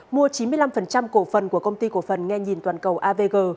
mua chín mươi năm cổ phần của công ty cổ phần nghe nhìn toàn cầu avg